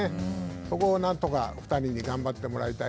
そこを何とか２人に頑張ってもらいたい。